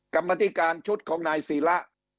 กรรมธิการชุดของนายศีระ